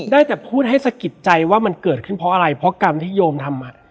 ได้แต่พูดให้สะกิดใจว่ามันเกิดขึ้นเพราะอะไรเพราะกรรมที่โยมทำ